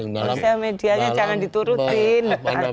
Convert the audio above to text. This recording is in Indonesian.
social media nya jangan diturutin